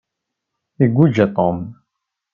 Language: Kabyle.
Iguja Tom.